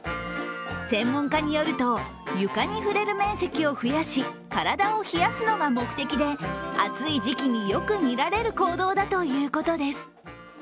専門家によると、床に触れる面積を増やし体を冷やすのが目的で暑い時期によく見られる行動だということです。